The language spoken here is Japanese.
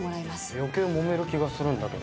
余計もめる気がするんだけど。